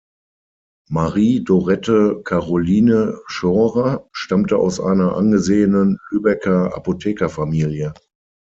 Marie Dorette Caroline Schorer stammte aus einer angesehenen Lübecker Apothekerfamilie.